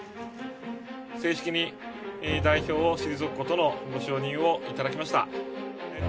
正式に代表を退くことのご承認をいただきました。